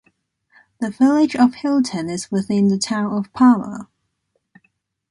The Village of Hilton is within the Town of Parma.